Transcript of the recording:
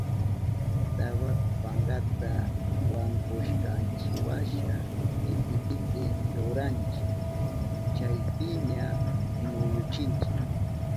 Tabaku pankata wankushkanchiwasha piti piti ruranchi, chaypiña ñuyuchinchi.